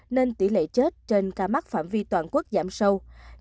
nên tỷ lệ chết trên ca mắc phạm vi toàn quốc giảm sâu